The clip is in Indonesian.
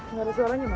nggak ada suaranya pak